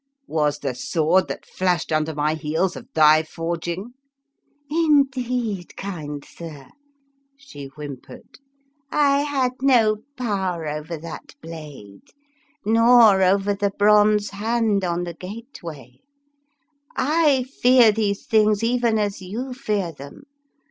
Was the sword that flashed under my heels of thy forging? "" Indeed, kind sir," she whimpered, " I had no power over that blade, nor 50 The Fearsome Island over the bronze hand on the gateway. I fear these things even as you fear them.